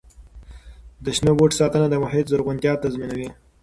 د شنو بوټو ساتنه د محیط زرغونتیا تضمینوي.